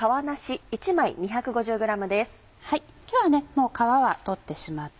今日はもう皮は取ってしまって。